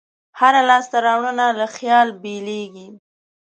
هره لاسته راوړنه له خیال پیلېږي.